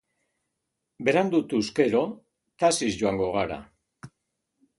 Berandutuz gero, taxiz joango gara.